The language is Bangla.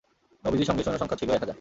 নবীজীর সঙ্গে সৈন্য সংখ্যা ছিল একহাজার।